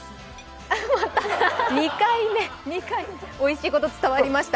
おいしいこと伝わりました。